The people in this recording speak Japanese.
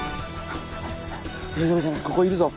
ここいるぞ！